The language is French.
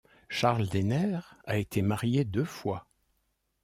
Charles Denner a été marié deux fois.